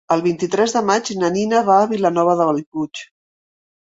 El vint-i-tres de maig na Nina va a Vilanova de Bellpuig.